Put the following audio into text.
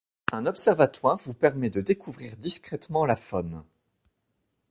Un observatoire vous permet de découvrir discrètement la faune.